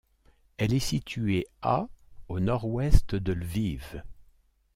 Elle est située à au nord-ouest de Lviv.